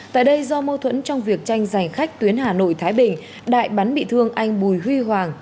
tại đây do mâu thuẫn trong việc tranh giành khách tuyến hà nội thái bình đại bắn bị thương anh bùi huy hoàng